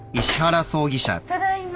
ただいま。